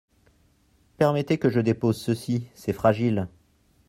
Permettez que je dépose ceci, c’est fragile.